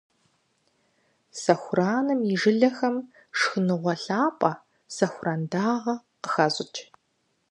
Сэхураным и жылэхэм шхыныгъуэ лъапӀэ - сэхуран дагъэ - къыхащӀыкӀ.